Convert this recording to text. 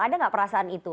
ada gak perasaan itu